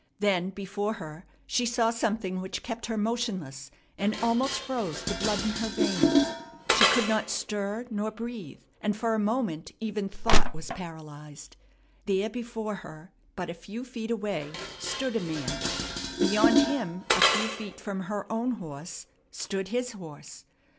Then before her she saw something which kept her motionless, and almost froze the blood in her veins. She could not stir nor breathe, and for a moment even thought was paralyzed. There before her but a few feet away stood a man! Beyond him, a few feet from her own horse, stood his horse.